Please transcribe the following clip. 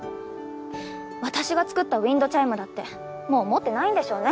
私が作ったウインドチャイムだってもう持ってないんでしょうね。